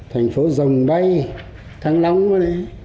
thành phố dòng bay thăng long đó đấy